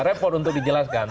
repot untuk dijelaskan